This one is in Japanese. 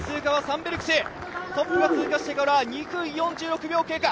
トップで通過してから２分４６秒経過。